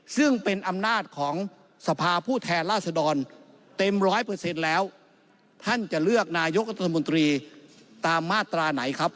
ซึ่งเป็นอำนาจของสภาผู้แทนราษฎรเต็มร้อยเปอร์เซ็นต์แล้วท่านจะเลือกนายกรัฐมนตรีตามมาตราไหนครับ